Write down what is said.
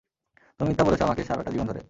তুমি মিথ্যা বলেছ আমাকে, সারাটা জীবন ধরে।